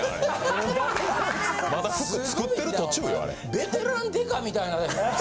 ベテラン刑事みたいな。